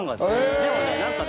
でもね何かね